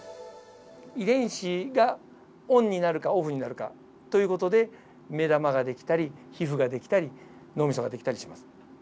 遺伝子がオンになるかオフになるかという事で目玉ができたり皮膚ができたり脳みそができたりします。